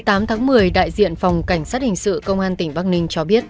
ngày tám tháng một mươi đại diện phòng cảnh sát hình sự công an tỉnh bắc ninh cho biết